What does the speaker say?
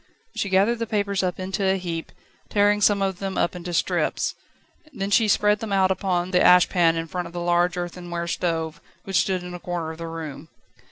She gathered the papers up into a heap, tearing some of them up into strips; then she spread them out upon the ash pan in front of the large earthenware stove, which stood in a corner of the room.